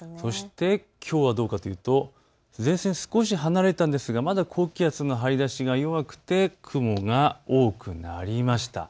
きょうはどうかというと前線少し離れたんですがまだ高気圧の張り出しが弱くて雲が多くなりました。